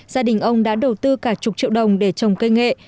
gia đình ông đã đầu tư cả chục triệu đồng để trồng cây nghệ